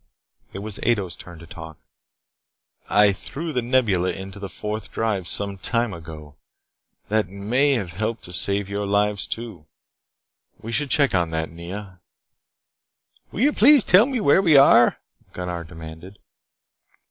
It was Ato's turn to talk. "I threw The Nebula into the Fourth Drive some time ago. That may have helped to save your lives too. We should check on that, Nea." "Will you please tell me where we are?" Gunnar demanded.